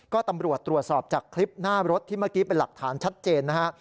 ก็ตำรวจตรวจสอบจากคลิปหน้ารถที่เมื่อกี้เป็นหลักฐานชัดเจนนะฮะ